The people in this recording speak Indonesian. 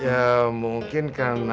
ya mungkin karena